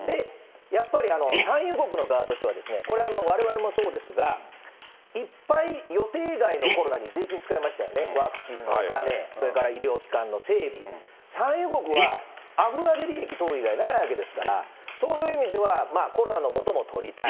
やっぱり産油国の側としては、これ、われわれもそうですが、いっぱい予定外のコロナに税金使いましたよね、ワクチンのお金、それから医療機関の整備、産油国は油で利益取る以外にないわけですから、そういう意味ではコロナのもとも取りたい。